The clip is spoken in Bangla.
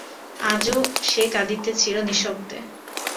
আজও সে কাঁদিতেছিল, নিঃশব্দে।